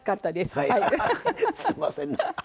はいすいません。